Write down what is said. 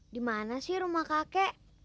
dimana sih rumah kakek